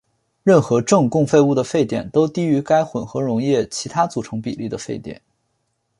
任何正共沸物的沸点都低于该混合溶液其他组成比例的沸点。